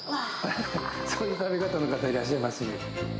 そういう食べ方の方、いらっしゃいますね。